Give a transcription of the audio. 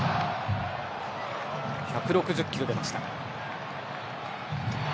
１６０キロ出ました。